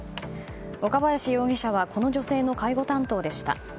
岡林容疑者はこの女性の介護担当でした。